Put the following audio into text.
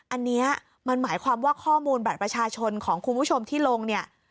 อันนี้มันหมายความว่าข้อมูลบัตรประชาชนของคุณผู้ชมที่ลงเนี่ย